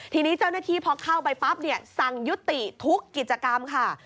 ทีนี้เจ้าหน้าที่พอเข้าไปปั๊บเนี่ยสั่งยุติทุกกิจกรรมค่ะ